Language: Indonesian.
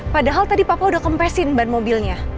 padahal tadi papua udah kempesin ban mobilnya